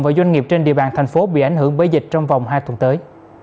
và doanh nghiệp trên địa bàn thành phố bị ảnh hưởng bởi dịch trong vòng hai tuần tới